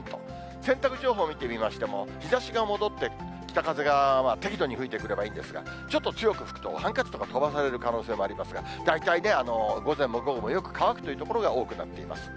洗濯情報見てみましても、日ざしが戻って、北風が適度に吹いてくればいいんですが、ちょっと強く吹くと、ハンカチとか飛ばされる可能性もありますが、大体ね、午前も午後もよく乾くという所が多くなっています。